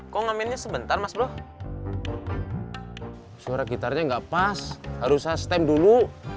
kok ngamennya sebentar mas bro suara gitarnya nggak pas harus saya stem dulu